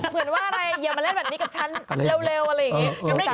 เหมือนว่าอะไรอย่ามาเล่นแบบนี้กับฉันเร็วอะไรอย่างนี้